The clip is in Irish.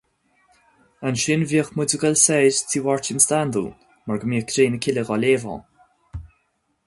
Ansin, bhíodh muid ag dul soir tigh Mháirtín Standún mar go mbíodh Cré na Cille á léamh ann.